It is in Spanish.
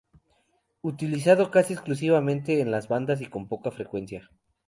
Utilizado casi exclusivamente en las bandas y con poca frecuencia.